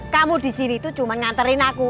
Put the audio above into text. kamu disini itu cuma nganterin aku